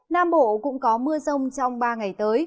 nam bộ cũng có mưa rông trong ba ngày tới